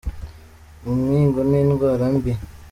Umwingo ni indwara mbi.